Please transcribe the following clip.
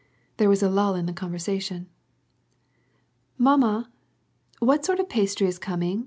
There was a lull in the conversation. " Mamma ! what sort of pastry is coming